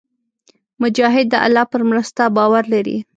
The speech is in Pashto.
مجاهد د الله پر مرسته باور لري.